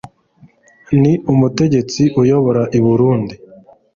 Ni umutegetsi uyobora I Burundi.